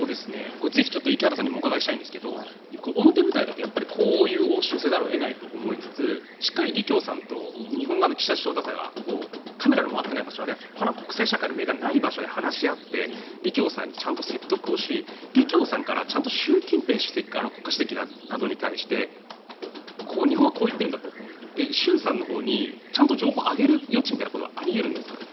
ぜひ、池畑さんにもお伺いしたいんですが表舞台だとこういう応酬をせざるを得ないと思いつつしっかり李強さんと日本側の岸田首相がカメラの回っていない場所ほかの国際社会の目がないところで話し合って李強さんを説得して李強さんから習近平国家主席に日本はこう言っているんだと習さんのほうにちゃんと情報を上げる余地みたいなのはあり得るんですかね。